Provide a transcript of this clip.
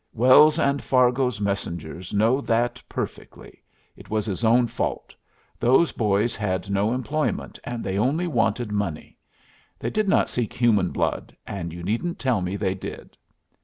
Wells and Fargo's messengers know that perfectly. It was his own fault. Those boys had no employment, and they only wanted money. They did not seek human blood, and you needn't tell me they did."